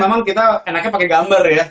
memang kita enaknya pakai gambar ya